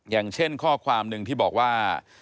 อย่างเช่นข้อความหนึ่งที่บอกว่า